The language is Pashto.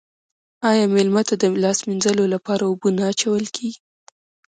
آیا میلمه ته د لاس مینځلو لپاره اوبه نه اچول کیږي؟